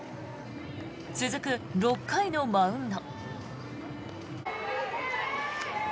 続く６回のマウンド。